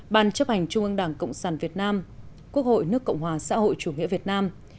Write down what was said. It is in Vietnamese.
ban chấp hành trung ương đảng cộng sản việt nam quốc hội nước cộng hòa xã hội chủ nghĩa việt nam